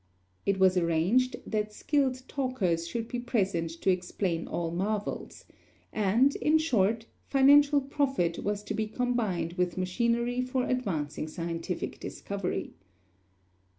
It was arranged that skilled talkers should be present to explain all marvels: and, in short, financial profit was to be combined with machinery for advancing scientific discovery.